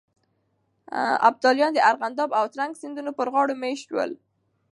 ابداليان د ارغنداب او ترنک سيندونو پر غاړو مېشت شول.